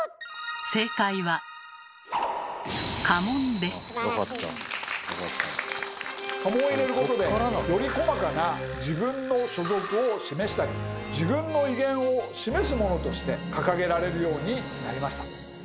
家紋を入れることでより細かな自分の所属を示したり自分の威厳を示すものとして掲げられるようになりました。